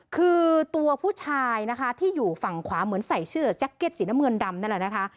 คือตัวผู้ชายนะคะที่อยู่ฝั่งขวาเหมือนใส่เสื้อแจ็คเก็ตสีน้ำเงินดำนั่นแหละนะคะ